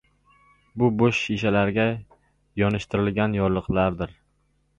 Bu bo‘sh shishalarga yonishtirilgan yorliqlardir.